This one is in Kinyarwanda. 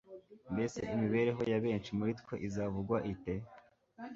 mbese imibereho ya benshi muri twe izavugwa ite?